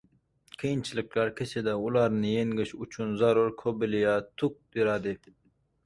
Qiyinchiliklar kishida ularni yengish uchun zarur qobiliyat tug‘diradi.